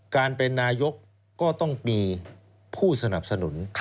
การเป็นนายกก็ต้องมีผู้สนับสนุน